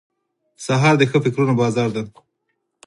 سهار د ښه فکرونو بازار دی.